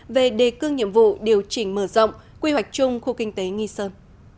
về đề cương nhiệm vụ điều chỉnh mở rộng quy hoạch chung khu kinh tế nghi sơn